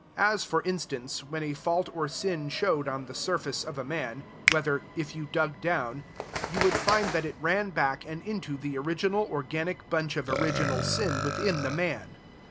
As, for instance, when a fault or sin showed on the surface of a man, whether, if you dug down, you would find that it ran back and into the original organic bunch of original sin within the man.